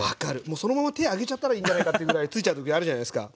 そのまま手揚げちゃったらいいんじゃないかというぐらいついちゃう時あるじゃないですか。